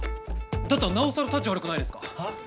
だったらなおさらたち悪くないですか？